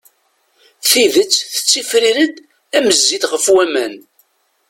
Tidet tettifrir-d am zzit ɣef waman.